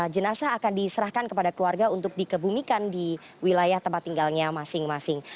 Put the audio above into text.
jenazah akan diserahkan kepada keluarga untuk dikebumikan di wilayah tempat tinggalnya masing masing